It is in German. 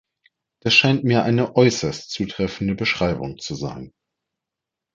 Das scheint mir eine äußerst zutreffende Beschreibung zu sein.